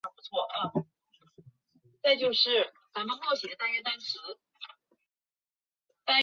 经父执辈推介进了启东镇的裕丰棉花杂粮铺当学徒工。